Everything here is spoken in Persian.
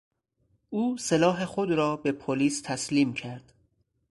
او سلاح خود را به پلیس تسلیم کرد.